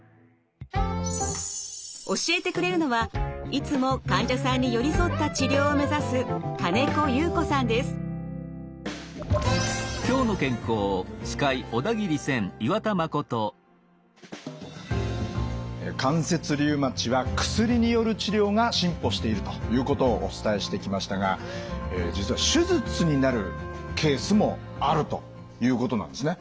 教えてくれるのはいつも患者さんに寄り添った治療を目指す関節リウマチは薬による治療が進歩しているということをお伝えしてきましたが実は手術になるケースもあるということなんですね。